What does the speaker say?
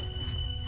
mas bandit tenang